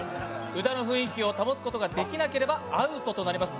歌の雰囲気を保つことができなければアウトとなります。